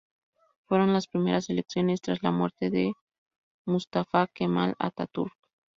Fueron las primeras elecciones tras la muerte de Mustafa Kemal Atatürk.